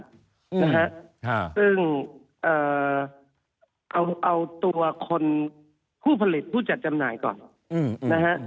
ซึ่งเอาตัวคนผู้ผลิตผู้จัดจำหน่ายก่อนนะครับ